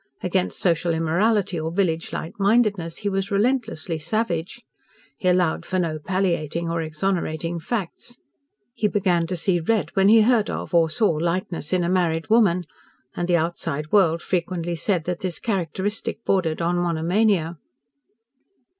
Against social immorality or village light mindedness he was relentlessly savage. He allowed for no palliating or exonerating facts. He began to see red when he heard of or saw lightness in a married woman, and the outside world frequently said that this characteristic bordered on monomania.